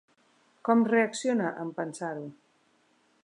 Com reacciona en pensar-ho?